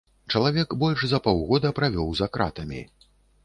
Чалавек больш за паўгода правёў за кратамі.